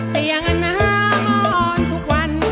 จะยังอาณามอนทุกวัน